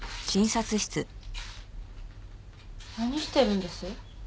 何してるんです？